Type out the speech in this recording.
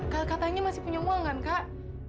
kalau katanya masih punya uang kan kak